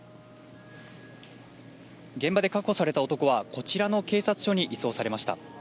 現場で確保された男は、こちらの警察署に移送されました。